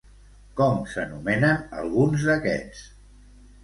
Com s'anomenen alguns d'aquests?